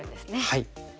はい。